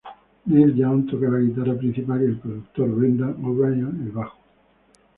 Neil Young toca la guitarra principal y el productor Brendan O'Brien el bajo.